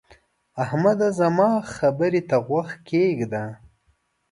احمده! زما خبرې ته غوږ کېږده.